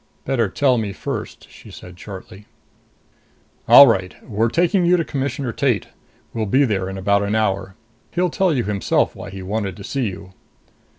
"Better tell me first," she said shortly. "All right. We're taking you to Commissioner Tate. We'll be there in about an hour. He'll tell you himself why he wanted to see you."